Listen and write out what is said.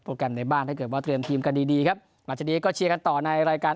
แกรมในบ้านถ้าเกิดว่าเตรียมทีมกันดีดีครับหลังจากนี้ก็เชียร์กันต่อในรายการ